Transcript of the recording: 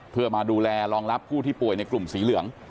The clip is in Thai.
เพื่อมาดูแลรองรับผู้ที่ป่วยในกลุ่มสีเหลือง